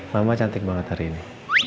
mama cantik banget hari ini